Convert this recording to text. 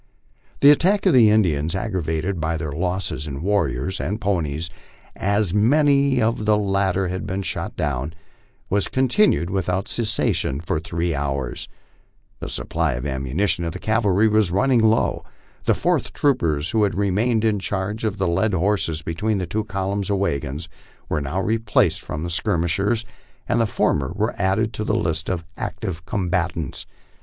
The attack of the Indians, aggravated by their losses in warriors and po nies, as many of the latter had been shot down, was continued without cessa tion for three hours. The supply of ammunition of the cavalry was running low. The " fourth troopers," who had remained in charge of the led horses between the two columns of wagons, were now replaced from the skirmishers, and the former were added to the list of active combatants.